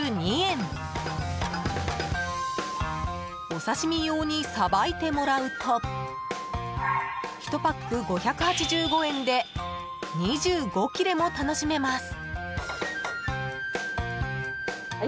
お刺し身用にさばいてもらうと１パック５８５円で２５切れも楽しめます。